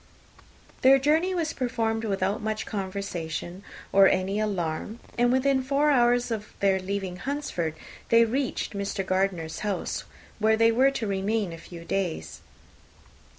Their journey was performed without much conversation, or any alarm; and within four hours of their leaving Hunsford they reached Mr. Gardiner's house, where they were to remain a few days.